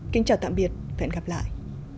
kính chào tạm biệt và hẹn gặp lại